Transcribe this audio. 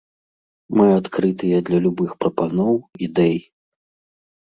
Мы адкрытыя да любых прапаноў, ідэй.